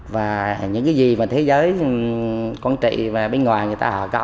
và những gì mà thế giới quản trị bên ngoài người ta có